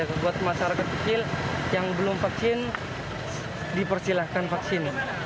oke oke saja buat masyarakat kecil yang belum vaksin dipersilahkan vaksin